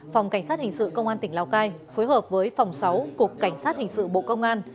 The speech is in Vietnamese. phòng cảnh sát hình sự công an tỉnh lào cai phối hợp với phòng sáu cục cảnh sát hình sự bộ công an